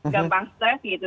gampang stress gitu